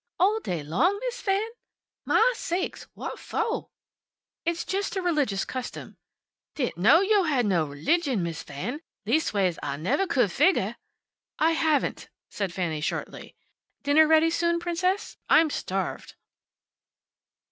"All day long, Miss Fan! Mah sakes, wa' foh?" "It's just a religious custom." "Didn't know yo' had no relijin, Miss Fan. Leastways, Ah nevah could figgah " "I haven't," said Fanny, shortly. "Dinner ready soon, Princess? I'm starved."